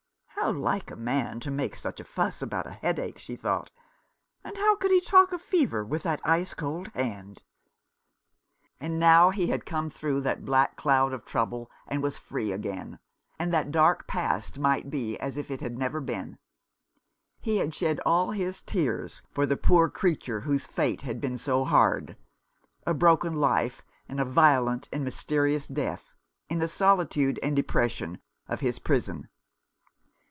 " How like a man to make such a fuss about a headache," she thought. " And how could he talk of fever with that ice cold hand ?" And now he had come through that black cloud of trouble, and was free again ; and that dark past might be as if it had never been. He had shed all his tears for the poor creature whose fate had been so hard (a broken life and a violent and mysterious death) in the solitude and depression of his prison.